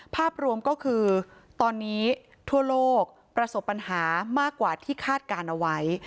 ภาพรวมก็คือตอนนี้ทั่วโลกประสบปัญหามากกว่าที่คาดการณ์เอาไว้